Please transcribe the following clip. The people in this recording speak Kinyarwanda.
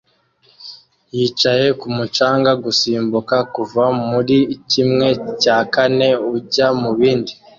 Yicaye kumu canga gusimbuka kuva muri kimwe cya kane ujya mubindi